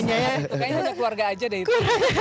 kayaknya ada keluarga aja deh itu